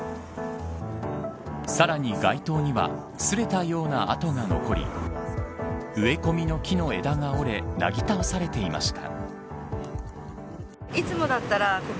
さらに街灯にはすれたような跡が残り植え込みの木の枝が折れなぎ倒されていました。